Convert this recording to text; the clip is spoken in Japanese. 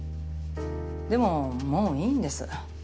でももういいんです。